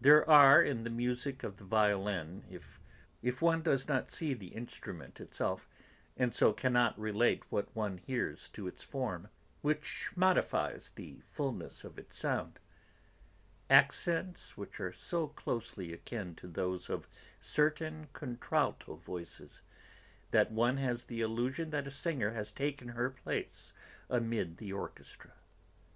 There are in the music of the violin if one does not see the instrument itself, and so cannot relate what one hears to its form, which modifies the fullness of the sound accents which are so closely akin to those of certain contralto voices, that one has the illusion that a singer has taken her place amid the orchestra.